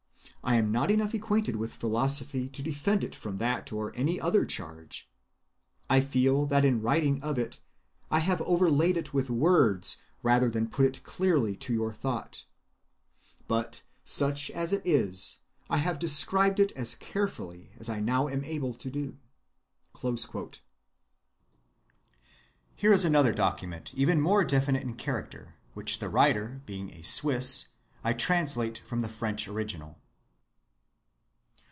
I am not enough acquainted with philosophy to defend it from that or any other charge. I feel that in writing of it I have overlaid it with words rather than put it clearly to your thought. But, such as it is, I have described it as carefully as I now am able to do." Here is another document, even more definite in character, which, the writer being a Swiss, I translate from the French original.